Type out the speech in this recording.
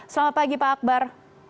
selamat pagi pak akbar